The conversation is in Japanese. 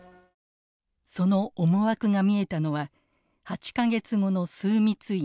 その思惑が見えたのは８か月後の枢密院。